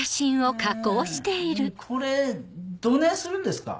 うんこれどねぇするんですか？